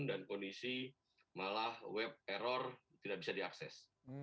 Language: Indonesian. dan kondisi malah web error tidak bisa diakses